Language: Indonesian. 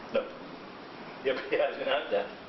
ya berarti arswendo ada